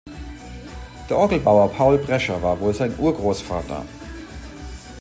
Der Orgelbauer Paul Prescher war wohl sein Urgroßvater.